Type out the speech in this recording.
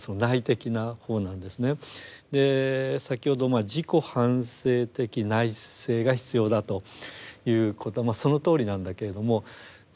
先ほど自己反省的内省が必要だということはまあそのとおりなんだけれどもじゃ